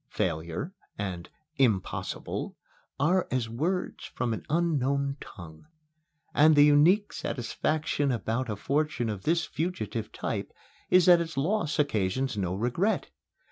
"Failure" and "impossible" are as words from an unknown tongue. And the unique satisfaction about a fortune of this fugitive type is that its loss occasions no regret.